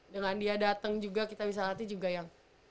dengan dia dateng juga kita bisa ngelatih juga yang